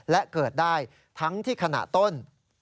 และเกิดได้ทั้งที่ขณะต้น